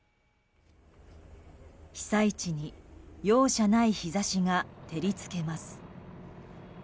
被災地に容赦ない日差しが照り付けます。